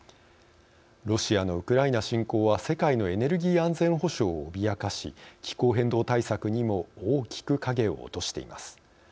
ロシアのウクライナ侵攻は世界のエネルギー安全保障を脅かし、気候変動対策にも大きく影を落としています。